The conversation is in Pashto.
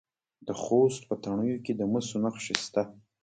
د خوست په تڼیو کې د مسو نښې شته.